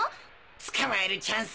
捕まえるチャンス